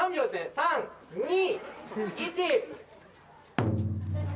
３２１。